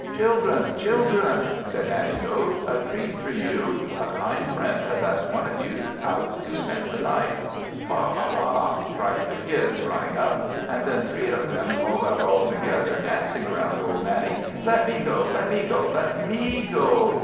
"Children, children!" said Nanny goat, "a treat for you! A kind friend has asked one of you out to spend the night." "Baa baa baa!" cried the Kids, running up; and then three of them called out all together, dancing about old Nanny, "Let me go! Let me go! Let me go!"